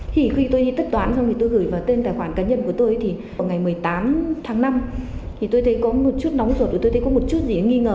thì khi tôi đi tất toán xong thì tôi gửi vào tên tài khoản cá nhân của tôi thì vào ngày một mươi tám tháng năm thì tôi thấy có một chút nóng ruột tôi thấy có một chút gì nghi ngờ